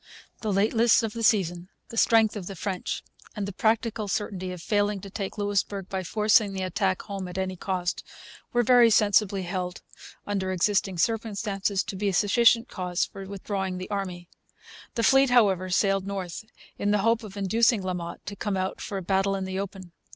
The lateness of the season, the strength of the French, and the practical certainty of failing to take Louisbourg by forcing the attack home at any cost, were very sensibly held, under existing circumstances, to be sufficient cause for withdrawing the army. The fleet, however, sailed north, in the hope of inducing La Motte to come out for a battle in the open.